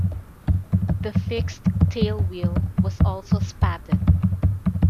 The fixed tailwheel was also spatted.